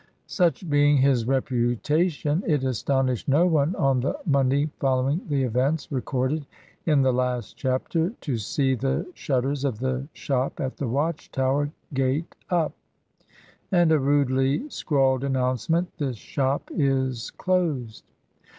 Such being his reputation, it astonished no one on the Monday following the events recorded in the last chapter to see the shutters of the shop at the Watch tower Gate up, and a rudely scrawled announcement, "This shop is closed."